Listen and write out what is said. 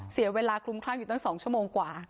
เสียเวลาคลุมคลั่งอยู่ตั้ง๒ชั่วโมงกว่า